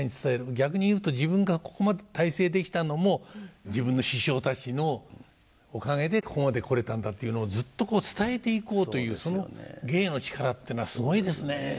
逆に言うと自分がここまで大成できたのも自分の師匠たちのおかげでここまで来れたんだっていうのをずっと伝えていこうというその芸の力っていうのはすごいですね。